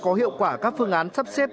có hiệu quả các phương án sắp xếp